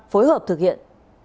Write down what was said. phối hợp thực hiện